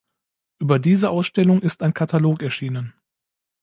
Über diese Ausstellung ist ein Katalog erschienen.